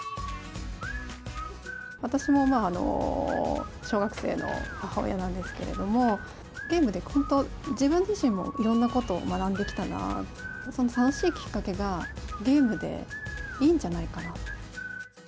私も小学生の母親なんですけれども、ゲームで本当、自分自身もいろんなことを学んできたなと、楽しむきっかけが、ゲームでいいんじゃないかなと。